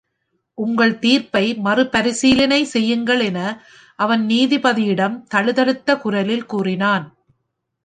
’உங்கள் தீர்ப்பை மறுபரிசீலனை செய்யுங்கள்’ என அவன் நீதிபதியிடம் தழுதழுத்த குரலில் கூறினான்.